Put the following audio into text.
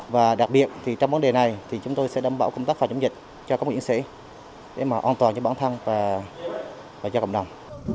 và đặc biệt trong vấn đề này chúng tôi sẽ đảm bảo công tác phòng chống dịch cho các nguyện sĩ để an toàn cho bản thân và cho cộng đồng